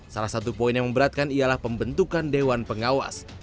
salah satu poin yang memberatkan ialah pembentukan dewan pengawas